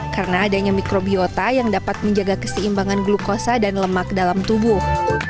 karena adanya mikrobiota yang dapat menjaga keseimbangan glukosa dan lemak dalam tubuh